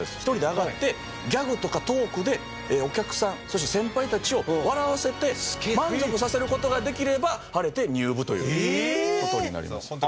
１人で上がってギャグとかトークでお客さんそして先輩たちを笑わせて満足させる事ができれば晴れて入部という事になります。